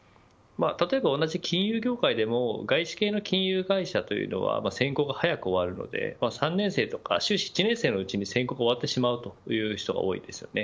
例えば同じ金融業界でも外資系の金融会社というのは選考が早く終わるので３年生とか修士１年生のうちに選考が終わってしまうという人が多いです。